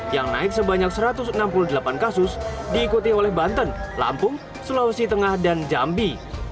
yang naik sebanyak satu ratus enam puluh delapan kasus diikuti oleh banten lampung sulawesi tengah dan jambi